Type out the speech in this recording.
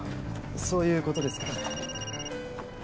そういうことですか。